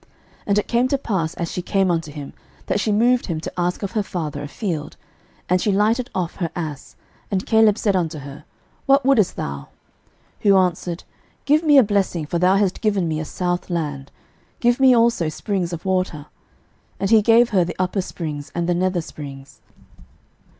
06:015:018 And it came to pass, as she came unto him, that she moved him to ask of her father a field: and she lighted off her ass; and Caleb said unto her, What wouldest thou? 06:015:019 Who answered, Give me a blessing; for thou hast given me a south land; give me also springs of water. And he gave her the upper springs, and the nether springs.